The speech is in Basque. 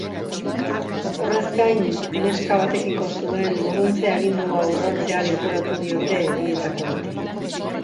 Horrez gain, neska batekiko zuen urruntze-agindua urratzea leporatu diote bietako bati.